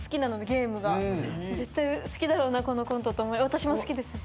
私も好きですし。